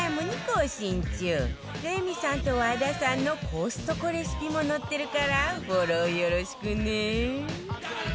レミさんと和田さんのコストコレシピも載ってるからフォローよろしくね